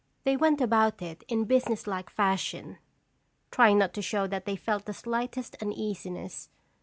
They went about it in businesslike fashion, trying not to show that they felt the slightest uneasiness.